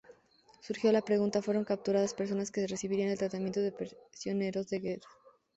Surgió la pregunta: ¿fueron capturadas personas que recibirán el tratamiento de prisioneros de guerra?